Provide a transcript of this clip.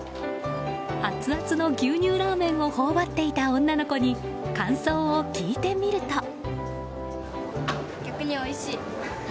アツアツの牛乳ラーメンを頬張っていた女の子に感想を聞いてみると。